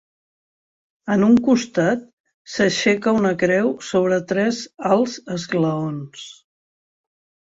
En un costat s'aixeca una creu sobre tres alts esglaons.